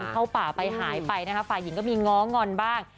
เข้าป่าไปหายฝ่ายหญิงก็มีน้องงรบ้าง